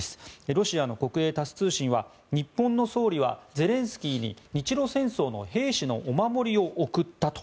ロシアの国営タス通信は日本の総理はゼレンスキーに日露戦争の兵士のお守りを贈ったと。